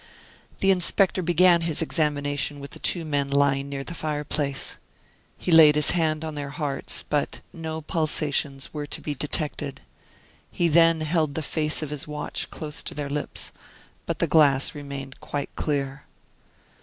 The inspector began his examination with the two men lying near the fireplace. He laid his hand on their hearts, but no pulsations were to be detected. He then held the face of his watch close to their lips, but the glass remained quite clear.